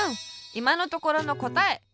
いまのところのこたえ。